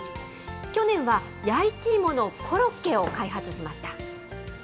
去年は、弥一芋のコロッケを開発しました。